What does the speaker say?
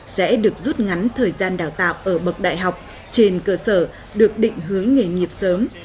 sẽ được rút ngắn thời gian đào tạo ở bậc đại học trên cơ sở được định hướng nghề nghiệp sớm